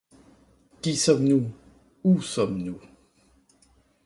Qui sommes-nous? où sommes-nous ?